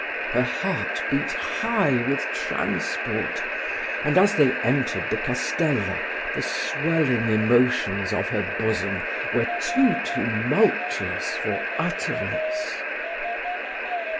Her heart beat high with transport; and, as they entered the castella, the swelling emotions of her bosom were too tumultuous for utterance.